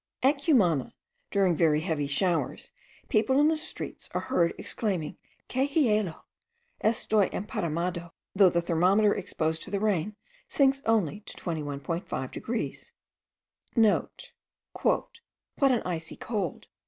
At Cumana, during very heavy showers, people in the streets are heard exclaiming, que hielo! estoy emparamado;* though the thermometer exposed to the rain sinks only to 21.5 degrees. (* "What an icy cold!